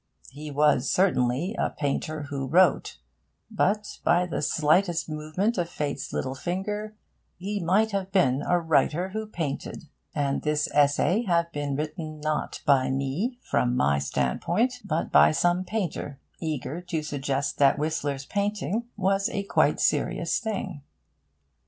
He was, certainly, a painter who wrote; but, by the slightest movement of Fate's little finger, he might have been a writer who painted, and this essay have been written not by me from my standpoint, but by some painter, eager to suggest that Whistler's painting was a quite serious thing.